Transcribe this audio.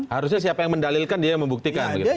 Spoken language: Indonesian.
harusnya siapa yang mendalilkan dia yang membuktikan